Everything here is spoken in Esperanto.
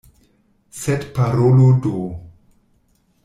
Sed parolu do.